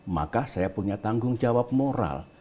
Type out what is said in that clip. maka saya punya tanggung jawab moral